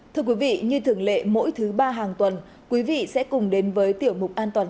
thưa quý vị như thường lệ mỗi thứ ba hàng tuần quý vị sẽ cùng đến với tiểu mục an toàn